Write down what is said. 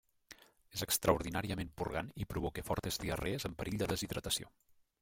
És extraordinàriament purgant i provoca fortes diarrees amb perill de deshidratació.